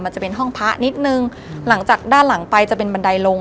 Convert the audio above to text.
จะเป็นห้องพระนิดนึงหลังจากด้านหลังไปจะเป็นบันไดลง